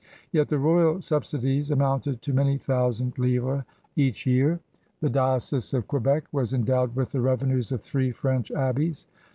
Yet the royal subsidies amounted to many thousand livres each year. The diocese of Quebec was endowed with the revenues of three French abbeys.